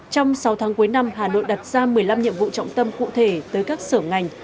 trong sáu tháng cuối năm hà nội đặt ra một mươi năm nhiệm vụ trọng tâm cụ thể tới các sở ngành